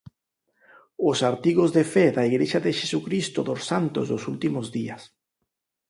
Os Artigos de Fe da Igrexa de Xesucristo dos Santos dos Últimos Días.